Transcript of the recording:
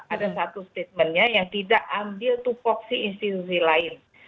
ada satu statementnya yang tidak ambil tupoksi institusi lain